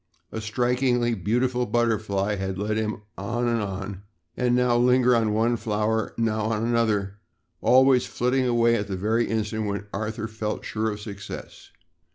A strikingly beautiful butterfly had led him on and on, now lingering on one flower, now on another, always flitting away at the very instant when Arthur felt sure of success.